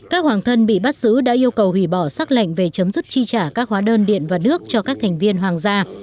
các hoàng thân bị bắt giữ đã yêu cầu hủy bỏ xác lệnh về chấm dứt chi trả các hóa đơn điện và nước cho các thành viên hoàng gia